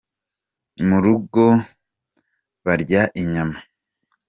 Murugo barya inyama.